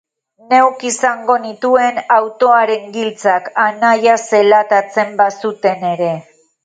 Neuk izango nituen autoaren giltzak, anaia zelatatzen bazuten ere.